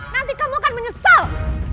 nanti kamu akan menyesal